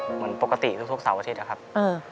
เหมือนปกติทุกสาวอเทศอะครับเออ